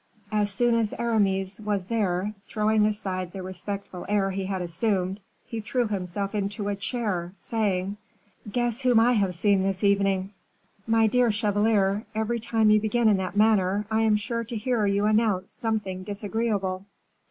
As soon as Aramis was there, throwing aside the respectful air he had assumed, he threw himself into a chair, saying: "Guess whom I have seen this evening?" "My dear chevalier, every time you begin in that manner, I am sure to hear you announce something disagreeable."